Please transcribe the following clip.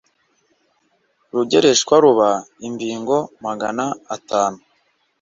rugereshwa ruba imbingo magana atanu